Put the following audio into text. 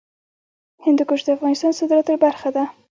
هندوکش د افغانستان د صادراتو برخه ده.